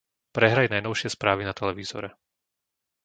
Prehraj najnovšie správy na televízore.